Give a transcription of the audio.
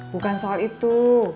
bukan soal itu